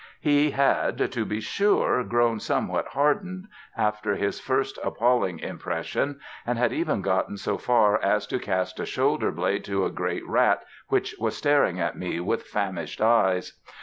He had, to be sure, grown somewhat hardened after his first appalling impression and had even gotten so far as to "cast a shoulder blade to a great rat which was staring at me with famished eyes"!